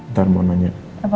ntar mau nanya